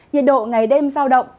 nhiệt độ ngày đêm giao động